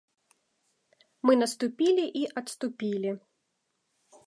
Мы наступілі і адступілі.